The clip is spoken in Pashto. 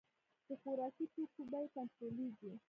د خوراکي توکو بیې کنټرولیږي